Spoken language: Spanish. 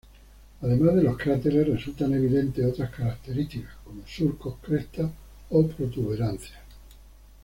Además de los cráteres, resultan evidentes otras características como surcos, crestas o protuberancias.